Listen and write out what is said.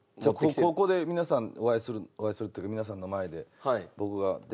ここで皆さんお会いするお会いするっていうか皆さんの前で。